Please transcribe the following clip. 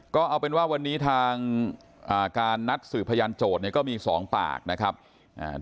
ก็เอาเป็นว่าวันนี้ทางอ่าการนัดสืบพยานโจทย์เนี่ยก็มีสองปากนะครับอ่า